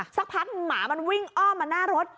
สักพักหมามันวิ่งอ้อมมาหน้ารถ